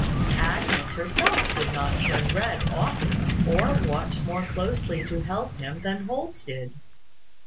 Agnes herself did not turn red oftener, or watch more closely to help him than Holt did.